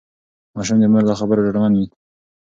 ماشوم د مور له خبرو ډاډمن وي.